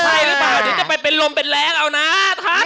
ใช่หรือเปล่าเดี๋ยวจะไปเป็นลมเป็นแรงเอานะ